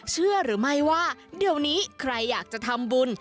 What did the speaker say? เชื่อหรือไม่ว่าเดี๋ยวนี้ใครอยากจะทำบุญ